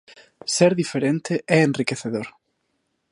Ser diferente é enriquecedor.